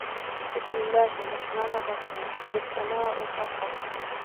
بِسْمِ اللَّهِ الرَّحْمَنِ الرَّحِيمِ إِذَا السَّمَاءُ انْشَقَّتْ